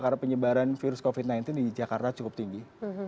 karena penyebaran virus covid sembilan belas di jakarta cukup tinggi